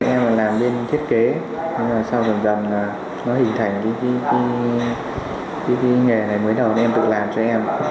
em làm bên thiết kế sau gần gần nó hình thành cái nghề này mới đầu em tự làm cho em